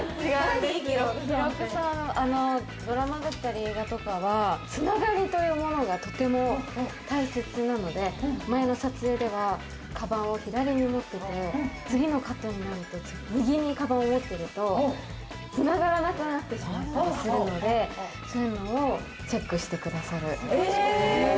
ドラマだったり映画とかは、つながりというものが、とても大切なので、前の撮影ではかばんを左に持ってて、次のカットになると、右に持ってると繋がらなくなってしまったりするので、そういうのをチェックしてくださる。